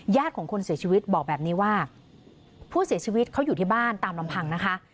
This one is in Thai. ของคนเสียชีวิตบอกแบบนี้ว่าผู้เสียชีวิตเขาอยู่ที่บ้านตามลำพังนะคะ